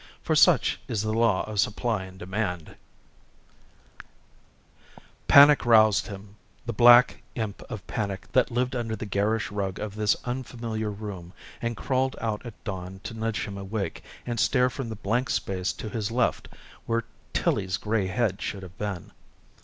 For such is the law of supply and demand!_ BY DAVE DRYFOOS Panic roused him the black imp of panic that lived under the garish rug of this unfamiliar room and crawled out at dawn to nudge him awake and stare from the blank space to his left where Tillie's gray head should have been.